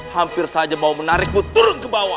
hampir saja mau menarikmu turun ke bawah